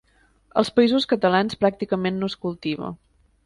Als Països Catalans pràcticament no es cultiva.